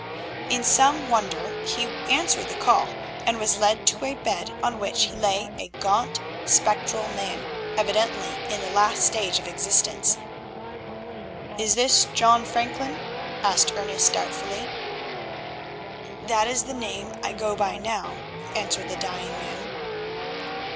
In some wonder he answered the call, and was led to a bed on which lay a gaunt, spectral man, evidently in the last stage of existence. "Is this John Franklin?" asked Ernest doubtfully. "That is the name I go by now," answered the dying man.